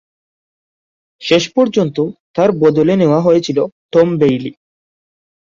শেষ পর্যন্ত তার বদলে নেওয়া হয়েছিল টম বেইলি।